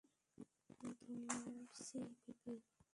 ধন্যবাদ, সি-বেবে।